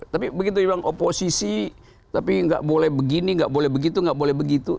tapi begitu dibilang oposisi tapi nggak boleh begini nggak boleh begitu nggak boleh begitu